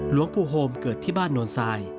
หลวงปู่โฮมเกิดที่บ้านโนนทราย